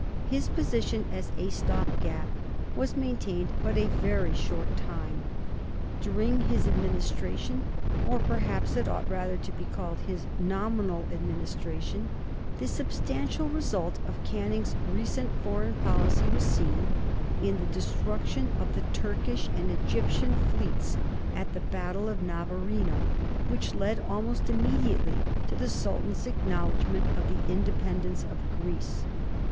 His position as a stop gap was maintained but a very short time. During his Administration, or perhaps it ought rather to be called his nominal Administration, the substantial result of Canning's recent foreign policy was seen in the destruction of the Turkish and Egyptian fleets at the battle of Navarino, which led almost immediately to the Sultan's acknowledgment of the independence of Greece.